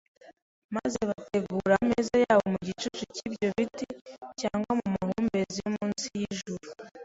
maze bategure ameza yabo mu gicucu cy’ibyo biti cyangwa mu mahumbezi yo munsi y’ijuru.